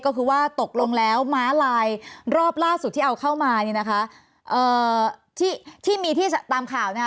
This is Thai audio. ก็คือว่าตกลงแล้วม้าลายรอบล่าสุดที่เอาเข้ามาเนี่ยนะคะเอ่อที่ที่มีที่ตามข่าวนะคะ